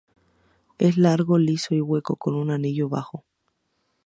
Es largo, liso y hueco con un anillo bajo.